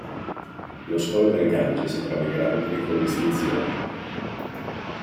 Lo squalo del Gange si trova in grave pericolo di estinzione.